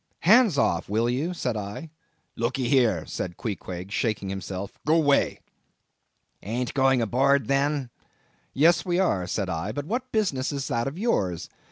"Hands off, will you," said I. "Lookee here," said Queequeg, shaking himself, "go 'way!" "Ain't going aboard, then?" "Yes, we are," said I, "but what business is that of yours?